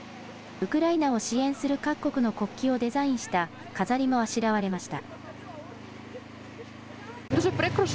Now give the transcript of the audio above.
ウクライナを支援する各国の国旗をデザインした飾りもあしらわれました。